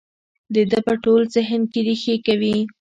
د ده په ټول ذهن کې رېښې کوي.